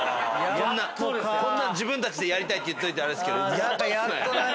自分たちでやりたいって言っといてあれですけどやっとっすね！